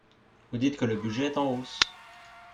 Vous dites que le budget est en hausse.